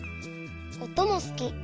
おともすき。